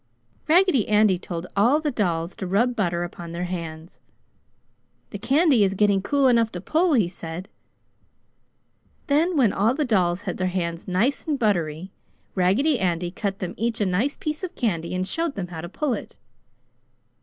Raggedy Andy told all the dolls to rub butter upon their hands. "The candy is getting cool enough to pull!" he said. Then, when all the dolls had their hands nice and buttery, Raggedy Andy cut them each a nice piece of candy and showed them how to pull it.